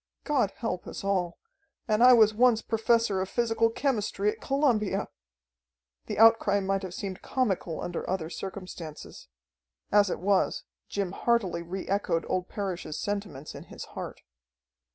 God help us all! And I was once Professor of Physical Chemistry at Columbia!" The outcry might have seemed comical under other circumstances; as it was, Jim heartily re echoed old Parrish's sentiments in his heart.